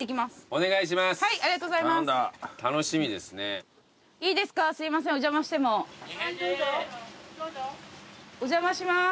お邪魔します。